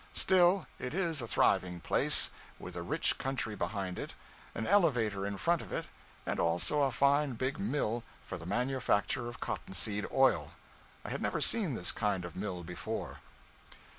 Still, it is a thriving place, with a rich country behind it, an elevator in front of it, and also a fine big mill for the manufacture of cotton seed oil. I had never seen this kind of a mill before.